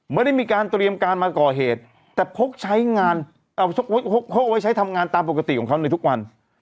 ไม่ได้มีการเตรียมการมาก่อเหตุแต่พกใช้งานพกเอาไว้ใช้ทำงานตามปกติของเขาในทุกวัน